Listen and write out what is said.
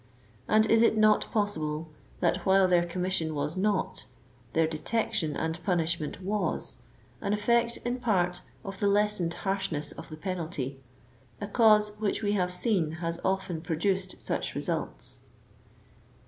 And is it not possible, that while their commission was not^ their detection and punish me nt^ro^, an effect, in part, of the lessened harshness of the penalty ;— a cause which we have seen has often pro duced such results